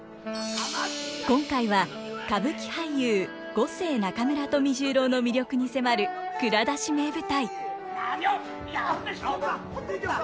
今回は歌舞伎俳優五世中村富十郎の魅力に迫る「蔵出し！名舞台」。